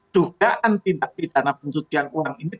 dugaan tindak pidana pencucian uang ini